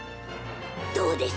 どうです？